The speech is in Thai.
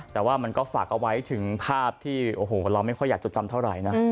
แต่ว่ามันก็ฝากเอาไว้ถึงภาพที่โอ้โหเราไม่ค่อยอยากจดจำเท่าไหร่นะ